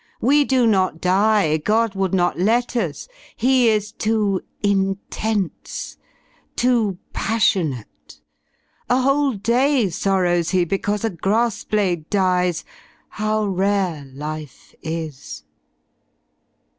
We do not die, God would not let us. He is too '"''intense^' Too ''''passionate^'' a whole day sorrows He Because a grass blade dies. How rare life is!